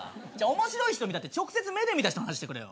面白い人見たって直接目で見た人の話してくれよ。